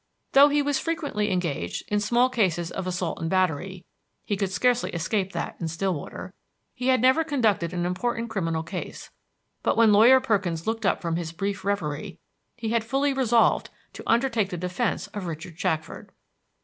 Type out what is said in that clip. Though he was frequently engaged in small cases of assault and battery, he could scarcely escape that in Stillwater, he had never conducted an important criminal case; but when Lawyer Perkins looked up from his brief reverie, he had fully resolved to undertake the defense of Richard Shackford.